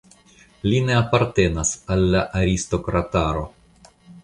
Li ne apartenas al la aristokrataro.